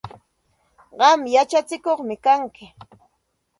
Qam yachatsikuqmi kanki.